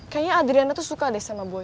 kayaknya adriana tuh suka deh sama buaya